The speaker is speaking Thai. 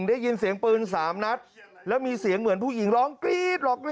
ได้ยินเสียงปืนสามนัดแล้วมีเสียงเหมือนผู้หญิงร้องกรี๊ดร้อง